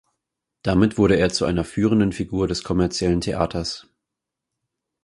Damit wurde er zu einer führenden Figur des kommerziellen Theaters.